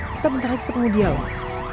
kita bentar lagi ketemu dia lah